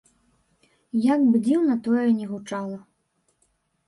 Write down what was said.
Як бы дзіўна тое не гучала.